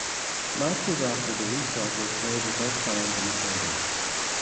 Matches after the restart were played without fans in attendance.